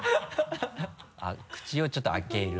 口をちょっと開ける。